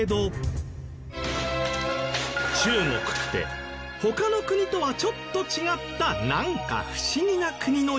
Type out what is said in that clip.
中国って他の国とはちょっと違ったなんか不思議な国のイメージありますよね？